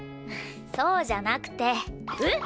そうじゃなくて。えっ！？